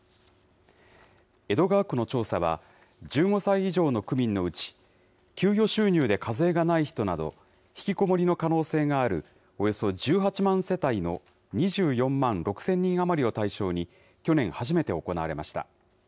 江戸川区の調査は、１５歳以上の区民のうち、給与収入で課税がない人など、ひきこもりの可能性がある、およそ１８万世帯の２４万６０００人余りを対象に、去年、初めて行われました。